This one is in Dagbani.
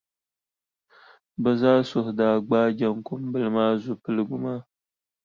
Bɛ zaa suhu daa gbaai Jaŋkumbila maa zupiligu maa.